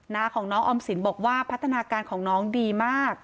นาของน้องออมสินบอกว่าพัฒนาการของน้องดีมาก